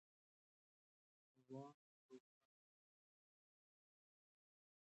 سره هندوانه روښانه ده.